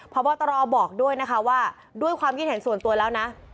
พบตรบอกด้วยนะคะว่าด้วยความคิดเห็นส่วนตัวแล้วนะ